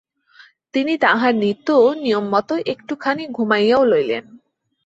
তিনি তাঁহার নিত্য নিয়মমত একটুখানি ঘুমাইয়াও লইলেন।